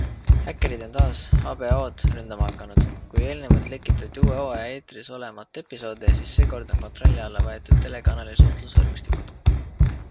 Häkkerid on taas HBO-d ründama hakanud, kui eelnevalt lekitati uue hooaja eetris olemata episoode, siis seekord on kontrolli alla võetud telekanali suhtlusvõrgustikud.